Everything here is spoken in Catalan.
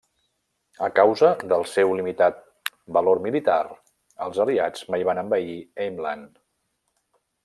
A causa del seu limitat valor militar els Aliats mai van envair Ameland.